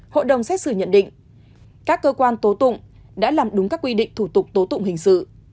hội đồng xét xử nhận định các cơ quan tố tụng đã làm đúng các quy định thủ tục tố tụng hình sự